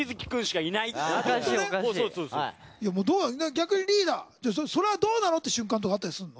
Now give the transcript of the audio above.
逆にリーダーそれはどうなのって瞬間とかあったりするの？